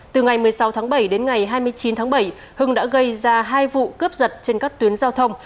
từ ngày một mươi sáu tháng bảy đến ngày hai mươi chín tháng bảy hưng đã gây ra hai vụ cướp giật trên các tuyến giao thông